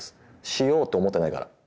しようと思ってないから。